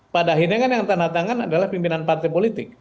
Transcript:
pada akhirnya kan yang tanda tangan adalah pimpinan partai politik